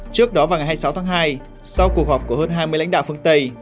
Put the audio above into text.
trước đó vào ngày hai mươi sáu tháng hai sau cuộc họp của hơn hai mươi lãnh đạo phương tây